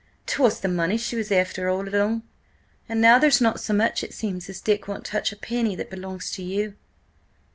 'Twas the money she was after all along; and now there's not so much, it seems, as Dick won't touch a penny that belongs to you."